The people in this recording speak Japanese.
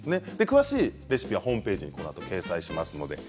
詳しいレシピはホームページにこのあと掲載します。